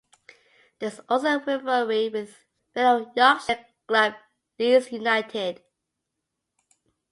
There is also a rivalry with fellow Yorkshire club Leeds United.